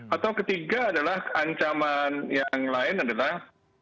atau ketiga adalah ancaman yang lain adalah